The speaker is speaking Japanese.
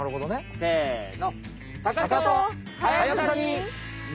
せの。